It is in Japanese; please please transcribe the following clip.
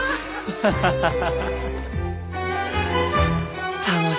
ハハハハ！